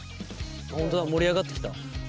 本当だ盛り上がってきた。